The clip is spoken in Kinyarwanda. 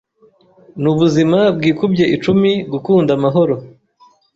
Ni ubuzima bwikubye icumi gukunda amahoro